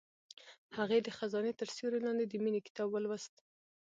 هغې د خزان تر سیوري لاندې د مینې کتاب ولوست.